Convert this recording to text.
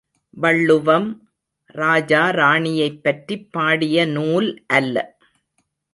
வள்ளுவம், ராஜா ராணியைப் பற்றிப் பாடிய நூல் அல்ல.